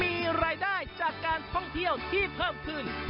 มีรายได้จากการท่องเที่ยวที่เพิ่มขึ้น